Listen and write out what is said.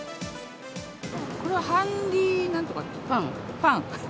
これはハンディーなんとか、ファン。